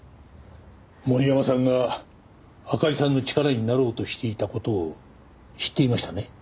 森山さんがあかりさんの力になろうとしていた事を知っていましたね？